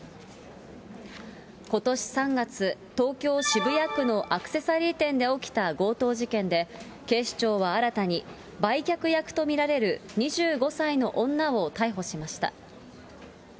ことし３月、東京・渋谷区のアクセサリー店で起きた強盗事件で、警視庁は新たに、売却役と見られる２５歳の女を逮捕しました。